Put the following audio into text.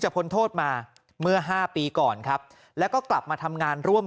พ้นโทษมาเมื่อ๕ปีก่อนครับแล้วก็กลับมาทำงานร่วม